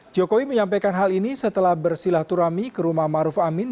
jokowi menyampaikan hal ini setelah bersilah turami ke rumah maruf amin